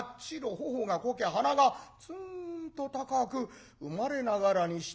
頬がこけ鼻がツーンと高く生まれながらにして歯が生えている。